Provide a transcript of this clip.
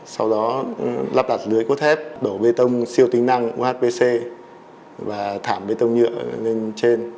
sau đó lắp đặt lưới cốt thép đổ bê tông siêu tính năng uhpc và thảm bê tông nhựa lên trên